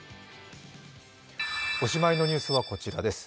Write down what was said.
おしまいのニュースはこちらです。